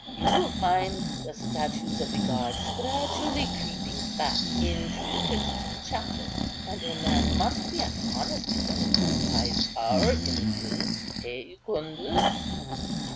You will find the statues of the gods gradually creeping back into the Christian chapel; and a man must be an honest fellow who buys our images, eh, Jucundus?"